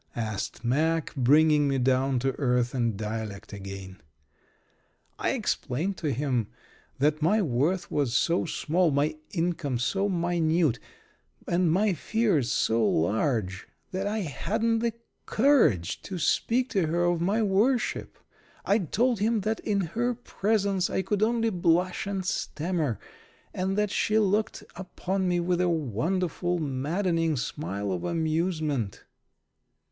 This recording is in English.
asked Mack, bringing me down to earth and dialect again. I explained to him that my worth was so small, my income so minute, and my fears so large that I hadn't the courage to speak to her of my worship. I told him that in her presence I could only blush and stammer, and that she looked upon me with a wonderful, maddening smile of amusement.